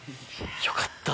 よかった。